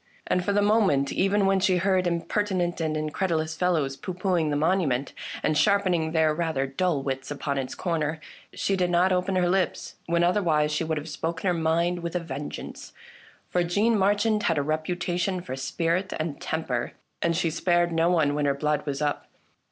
And for the moment, even when she heard impertinent and in credulous fellows pooh poohing the monument, and sharpening their rather dull wits upon its corners, she did not open her lips, when otherwise she would have spoken her mind with a vengeance ; for Jeanne Mar chand had a reputation for spirit and temper, and she spared no one when her blood was up.